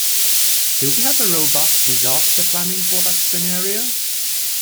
Do we have robust disaster planning for that scenario?